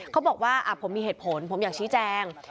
เขาบอกว่าผมมีเหตุผลผมอยากชี้แจง